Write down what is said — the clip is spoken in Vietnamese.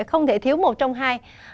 không thể thiếu một trong hai